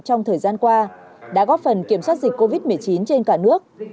trong thời gian qua đã góp phần kiểm soát dịch covid một mươi chín trên cả nước